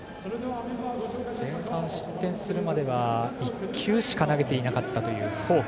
前半、失点するまで１球しか投げていなかったフォーク。